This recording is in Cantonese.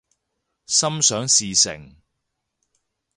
心想事成